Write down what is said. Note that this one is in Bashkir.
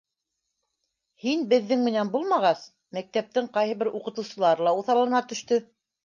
Һин беҙҙең менән булмағас, мәктәптең ҡайһы бер уҡытыусылары ла уҫаллана төштө.